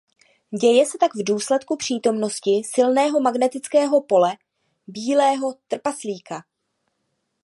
Děje se tak v důsledku přítomnosti silného magnetického pole bílého trpaslíka.